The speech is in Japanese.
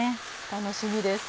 楽しみです。